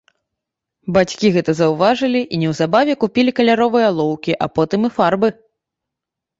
Бацькі гэта заўважылі і неўзабаве купілі каляровыя алоўкі, а потым і фарбы.